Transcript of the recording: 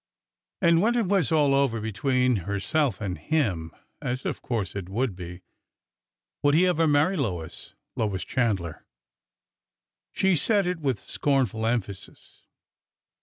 . And when it was all over between herself and him, as of course it would be, would he ever marry Lois Chandler? She said it with scornful emphasis.